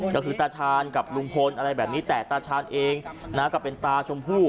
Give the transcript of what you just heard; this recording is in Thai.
ก็คือตาชาญกับลุงพลอะไรแบบนี้แต่ตาชาญเองนะก็เป็นตาชมพู่